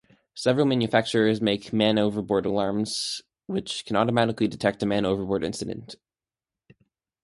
Several manufacturers make man overboard alarms which can automatically detect a man overboard incident.